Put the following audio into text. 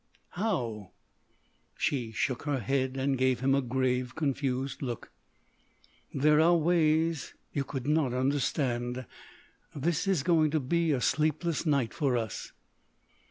"How?" She shook her head and gave him a grave, confused look. "There are ways. You could not understand.... This is going to be a sleepless night for us."